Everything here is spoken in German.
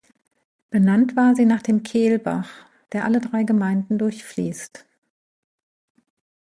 Benannt war sie nach dem "Kehlbach", der alle drei Gemeinden durchfließt.